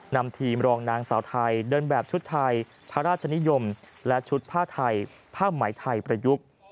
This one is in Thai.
นำทีมรองนางสาวไทยเดินแบบชุดไทยพระราชนิยมและชุดผ้าไทยผ้าไหมไทยประยุกต์